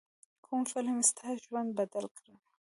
کوم فلم ستا ژوند بدل کړ.